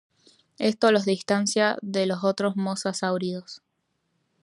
Esto los distancia de los otros mosasáuridos.